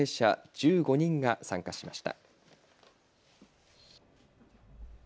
１５人が参加しました。